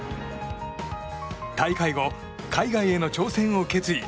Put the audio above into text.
大会後、海外への挑戦を決意。